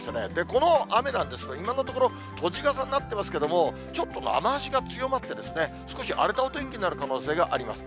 この雨なんですが、今のところ、閉じ傘になってますけれども、ちょっと雨足が強まってですね、少し荒れたお天気になる可能性があります。